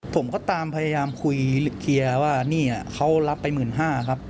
ผมก็ตามพยายามคุยว่านี่เขารับไปหมื่นห้าครับ